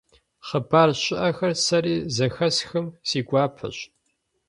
Хъыбар щыӀэхэр сэри зэхэсхым, си гуапэщ.